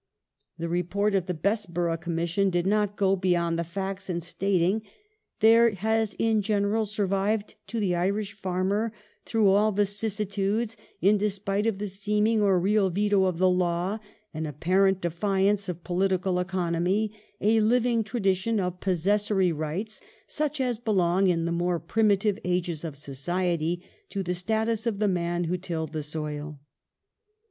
* The Report of the Bessborough Commission did not go beyond the facts in saving :" there has in general survived to the Irish farmer, through all vicissitudes, in despite of the seeming or real veto of the law, in apparent defiance of political economy, a living tradition of possessory rights, such as belong, in the more primitive ages of society, to the status of the man who tilled the soil".